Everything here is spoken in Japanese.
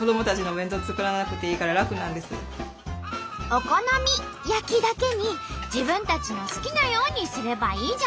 「お好み焼き」だけに自分たちの好きなようにすればいいじゃんね！